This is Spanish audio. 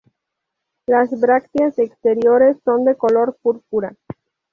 Las brácteas exteriores son de color púrpura.